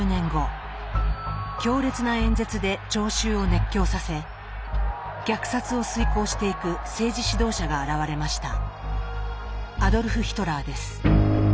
強烈な演説で聴衆を熱狂させ虐殺を遂行していく政治指導者が現れました。